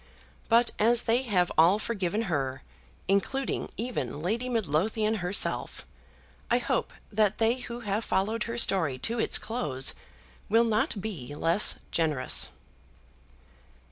But as they have all forgiven her, including even Lady Midlothian herself, I hope that they who have followed her story to its close will not be less generous.